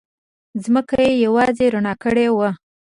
ځمکه یې یوازې رڼا کړې وه.